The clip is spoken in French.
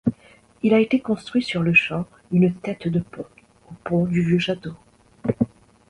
Il a été construit sur-le-champ une tête de pont, au pont du vieux château.